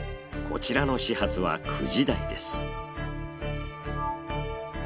こちらの始発は９時台です。